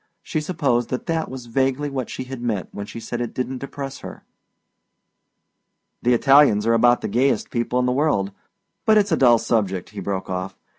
She supposed that that was vaguely what she had meant when she said it didn't depress her. "The Italians are about the gayest people in the world but it's a dull subject," he broke off.